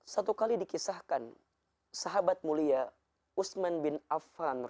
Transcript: satu kali dikisahkan sahabat mulia usman bin afan